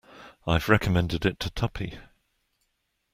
I've recommended it to Tuppy.